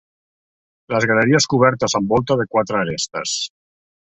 Les galeries cobertes amb volta de quatre arestes.